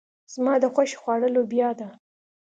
زما د خوښې خواړه لوبيا ده.